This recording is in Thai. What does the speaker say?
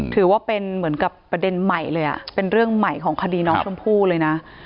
ถือว่าเป็นเหมือนกับประเด็นใหม่เลยเป็นเรื่องใหม่ของคดีน้องชมพู่เลยนะ